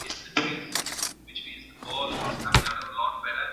د محصلینو لیلیه بې پوښتني نه منل کیږي.